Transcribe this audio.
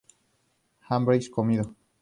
¿habréis comido?